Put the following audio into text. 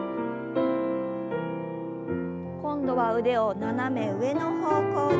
今度は腕を斜め上の方向に。